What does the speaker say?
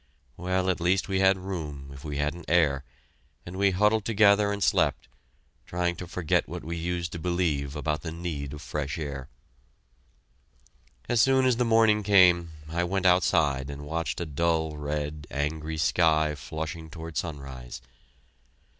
Well, at least we had room if we hadn't air, and we huddled together and slept, trying to forget what we used to believe about the need of fresh air. As soon as the morning came, I went outside and watched a dull red, angry sky flushing toward sunrise.